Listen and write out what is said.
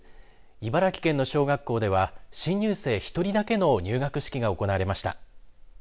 茨城県の小学校では新入生１人だけの入学式が行われました。